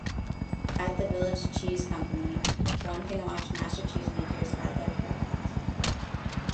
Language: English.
At the Village Cheese Company, one can watch master cheesemakers at their craft.